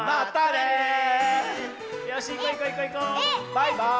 バイバーイ！